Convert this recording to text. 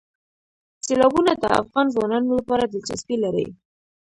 سیلابونه د افغان ځوانانو لپاره دلچسپي لري.